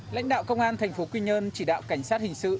lãnh đạo công an thành phố quy nhơn chỉ đạo cảnh sát hình sự